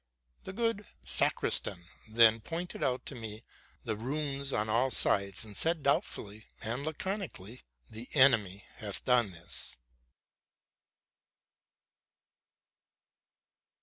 The good sacristan then pointed out to me the ruins on all sides, and said doubtfully and laconically, '* The enemy hath done this!"